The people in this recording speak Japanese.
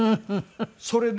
それで。